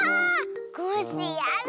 コッシーやる！